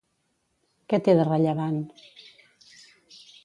Què té de rellevant?